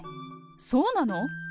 そうなの？